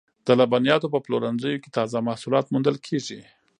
د لبنیاتو په پلورنځیو کې تازه محصولات موندل کیږي.